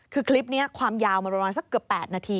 คือคลิปนี้ความยาวมันประมาณสักเกือบ๘นาที